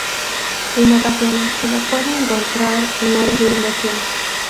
En ocasiones se lo puede encontrar en áreas de inundación.